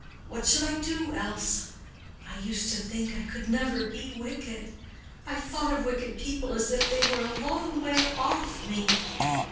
What should I do else? I used to think I could never be wicked. I thought of wicked people as if they were a long way off me.